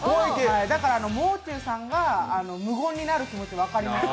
だからもう中さんが無言になる気持ち分かります。